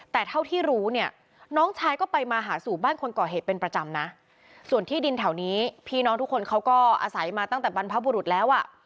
แต่เท่าที่รู้เนี่ยน้องชายก็ไปมาหาสู่บ้านคนก่อเหตุเป็นประจำนะส่วนที่ดินแถวนี้พี่น้องทุกคนเขาก็อาศัยมาตั้งแต่บรรพบุรุษแล้วอ่ะ